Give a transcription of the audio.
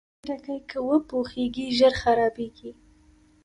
خټکی که وپوخېږي، ژر خرابېږي.